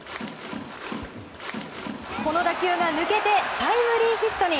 この打球が抜けてタイムリーヒットに。